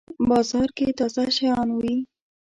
بازار کی تازه شیان وی